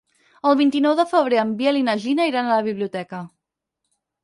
El vint-i-nou de febrer en Biel i na Gina iran a la biblioteca.